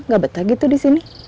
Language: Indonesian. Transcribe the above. gak betah gitu disini